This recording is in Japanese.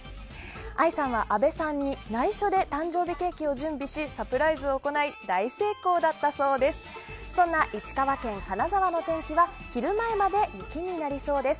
愛さんは、あべさんに内緒で誕生日ケーキを準備しサプライズを行い大成功だったそうです。